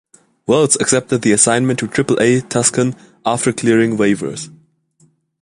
Wells accepted the assignment to Triple-A Tucson after clearing waivers.